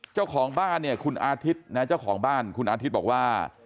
เจ้าของบ้านคุณอาทิตย์คุณอาทิตย์บอกว่า